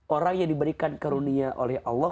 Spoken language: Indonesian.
orang yang diberikan karunia oleh allah